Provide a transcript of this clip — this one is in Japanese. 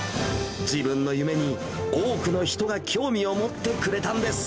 自分の夢に多くの人が興味を持ってくれたんです。